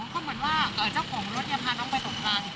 เหมือนว่าเจ้าของรถเนี่ยพาน้องไปตกร้าน